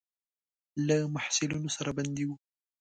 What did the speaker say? له محصلینو سره بندي وو.